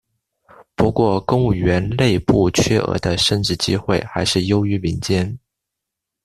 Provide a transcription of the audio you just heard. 不过公务员内部缺额的升职机会还是优于民间。